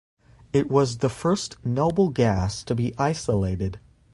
It was the first noble gas to be isolated.